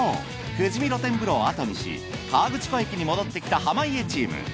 富士見露天風呂を後にし河口湖駅に戻ってきた濱家チーム。